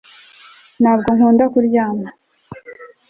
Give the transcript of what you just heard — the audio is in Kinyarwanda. ntabwo nkunda kuryamaa